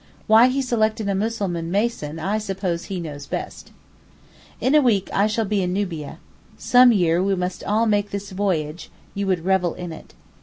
Why he selected a Mussulman mason I suppose he best knows. In a week I shall be in Nubia. Some year we must all make this voyage; you would revel in it.